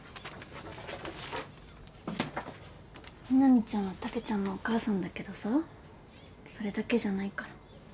南ちゃんはたけちゃんのお母さんだけどさそれだけじゃないから。